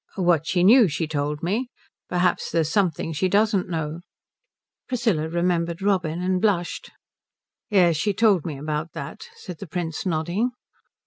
"What she knew she told me. Perhaps there's something she doesn't know." Priscilla remembered Robin, and blushed. "Yes, she told me about that," said the Prince nodding.